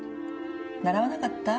習わなかった？